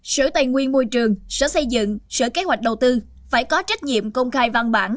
sở tài nguyên môi trường sở xây dựng sở kế hoạch đầu tư phải có trách nhiệm công khai văn bản